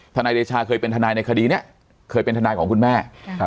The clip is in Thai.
นายเดชาเคยเป็นทนายในคดีนี้เคยเป็นทนายของคุณแม่